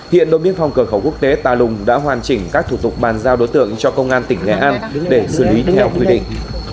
hiện đội biên phòng cửa khẩu quốc tế tà lùng đã hoàn chỉnh các thủ tục bàn giao đối tượng cho công an tỉnh nghệ an để xử lý theo quy định